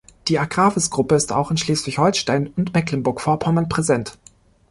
Die Agravis-Gruppe ist auch in Schleswig-Holstein und Mecklenburg-Vorpommern präsent.